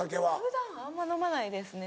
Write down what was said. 普段あんま飲まないですね